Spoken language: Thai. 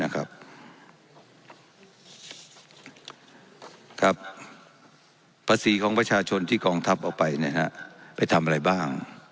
ครับภาษีของประชาชนที่กองทัพเอาไปไปทำอะไรบ้าง